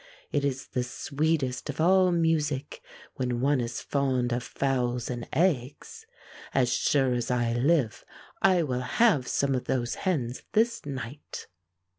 It is the sweetest of all music when one is fond of fowls and eggs. As sure as I live I will have some of those hens this night."